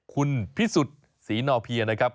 คุณพิสุทธิ์ศรีนอเพียนะครับ